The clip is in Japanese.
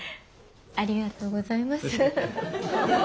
ありがとうございます。